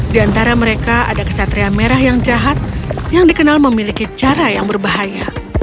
di antara mereka ada kesatria merah yang jahat yang dikenal memiliki cara yang berbahaya